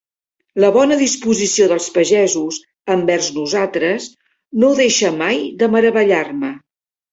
La bona disposició dels pagesos envers nosaltres no deixà mai de meravellar-me.